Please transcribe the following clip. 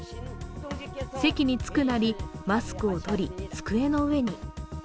席につくなり、マスクを取り机の上に。